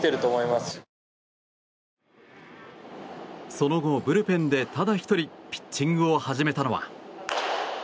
その後、ブルペンでただ１人ピッチングを始めたのは。